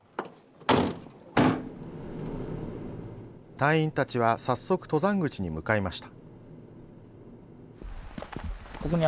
隊員たちは早速登山口に向かいました。